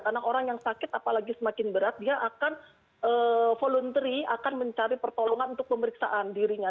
karena orang yang sakit apalagi semakin berat dia akan voluntary akan mencari pertolongan untuk pemeriksaan dirinya